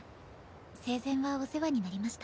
生前はお世話になりました。